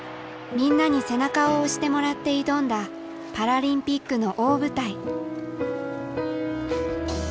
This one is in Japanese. みんなに背中を押してもらって挑んだパラリンピックの大舞台。